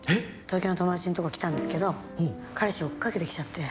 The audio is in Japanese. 東京の友達のとこ来たんですけど彼氏追っかけてきちゃって。